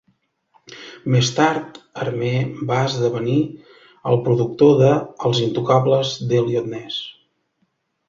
Més tard, Armer va esdevenir el productor de "Els intocables d'Elliot Ness".